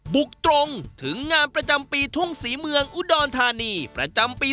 บุกตรงถึงงานประจำปีทุ่งศรีเมืองอุดรธานีประจำปี